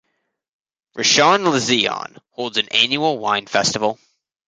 Rishon LeZion holds an annual wine festival.